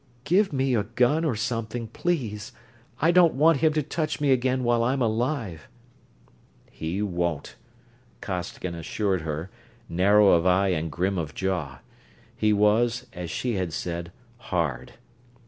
"Give me a gun or something, please. I don't want him to touch me again while I'm alive." "He won't," Costigan assured her, narrow of eye and grim of jaw. He was, as she had said, hard.